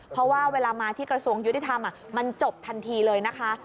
เพราะว่าเวลามาที่กระทรวงยุติธรรมมันจบทันทีเลยนะคะ